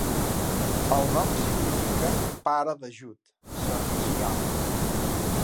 El nom significa 'pare d'ajut', servicial.